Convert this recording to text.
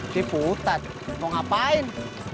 ciputat mau ngapain